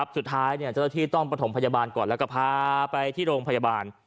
สุดท้ายเนี่ยเจ้าที่ต้องประถงพยาบาลก่อนแล้วก็พาไปในโรงพยาบาล